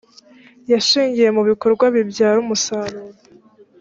yashingiye mu bikorwa bibyara umusaruro